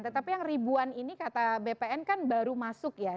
tetapi yang ribuan ini kata bpn kan baru masuk ya